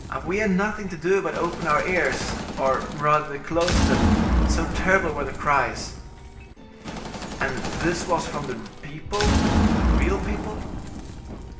"We had nothing to do but open our ears, or rather to close them, so terrible were the cries." "And this was from the people, the real people?"